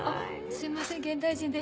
すいません現代人です。